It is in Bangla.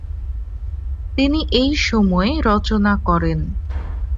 তিনি এই সময়ে রচনা করেন।